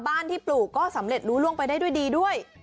ที่ปลูกก็สำเร็จรู้ล่วงไปได้ด้วยดีด้วย